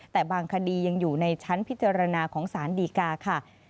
แต่บางคดียังอยู่ในชั้นพิจารณาของสารดีกาค่ะ